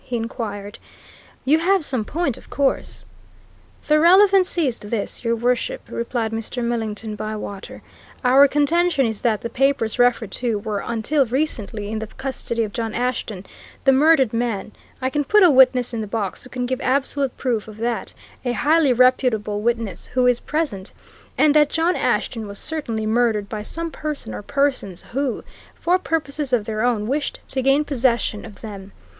he inquired. "You have some point, of course?" "The relevancy is this, Your Worship," replied Mr. Millington Bywater: "Our contention is that the papers referred to were until recently in the custody of John Ashton, the murdered man I can put a witness in the box who can give absolute proof of that, a highly reputable witness, who is present, and that John Ashton was certainly murdered by some person or persons who, for purposes of their own, wished to gain possession of them.